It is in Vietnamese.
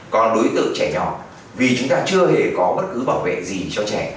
còn đối tượng trẻ nhỏ vì chúng ta chưa hề có bất cứ bảo vệ gì cho trẻ